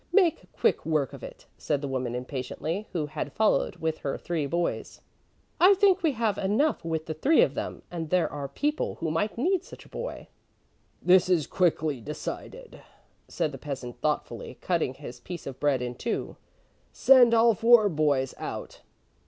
"Make quick work of it," said the woman impatiently, who had followed with her three boys. "I think we have enough with the three of them, and there are people who might need such a boy." "This is quickly decided," said the peasant, thoughtfully cutting his piece of bread in two; "send all four boys out."